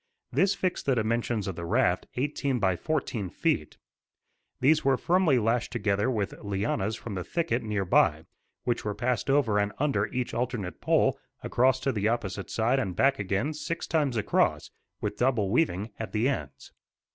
This fixed the dimensions of the raft, eighteen by fourteen feet. These were firmly lashed together with lianas from the thicket near by, which were passed over and under each alternate pole, across to the opposite side and back again, six times across, with double weaving at the ends.